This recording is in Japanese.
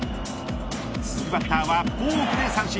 続くバッターはフォークで三振。